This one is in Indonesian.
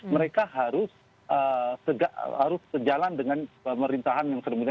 mereka harus sejalan dengan pemerintahan yang sebelumnya